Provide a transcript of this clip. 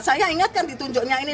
saya ingatkan ditunjuknya ini